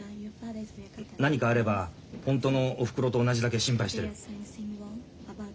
何かあればホントのおふくろと同じだけ心配してる。